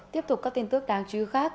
tiếp tục các tin tức đáng chú ý khác